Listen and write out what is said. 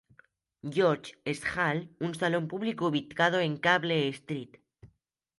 George's Hall, un salón público ubicado en Cable Street.